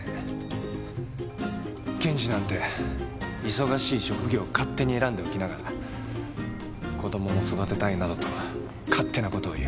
検事なんて忙しい職業を勝手に選んでおきながら子供も育てたいなどと勝手なことを言う。